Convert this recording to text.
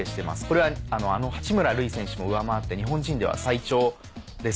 これはあの八村塁選手も上回って日本人では最長です。